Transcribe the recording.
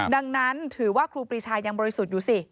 ดังนั้นถือว่าครูปรีชายังบริสุทธิ์อยู่สิ